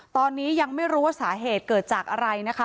ตอนนี้ยังไม่รู้ว่าสาเหตุเกิดจากอะไรนะคะ